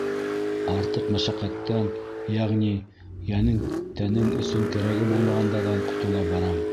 — Артыҡ мәшәҡәттән, йәғни йәнең, тәнең өсөн кәрәге булмағандарҙан ҡотола барам.